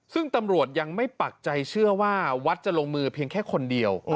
ซึ่งตำรวจยังไม่ปักใจเชื่อว่าวัดจะลงมือเพียงแค่คนเดียว